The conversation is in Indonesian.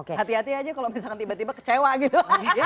hati hati aja kalau misalkan tiba tiba kecewa gitu